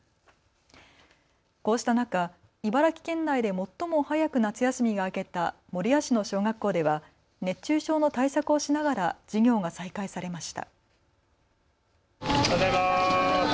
こうした中、茨城県内で最も早く夏休みが明けた守谷市の小学校では熱中症の対策をしながら授業が再開されました。